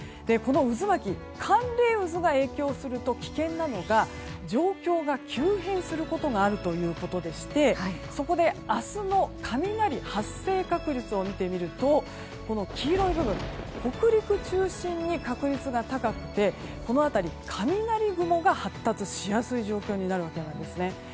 この渦巻き寒冷渦が影響すると危険なのが状況が急変することがあるということでしてそこで、明日の雷発生確率を見てみるとこの黄色い部分北陸中心に確率が高くてこの辺り、雷雲が発達しやすい状況になるんですね。